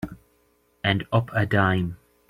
And up a dime.